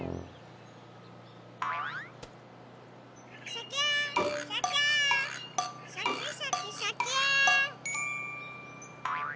シャキーンシャキーン！シャキシャキシャキーン！